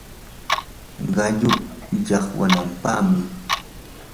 qallu llaqwanapaqmi